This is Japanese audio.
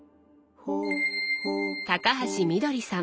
高橋みどりさん。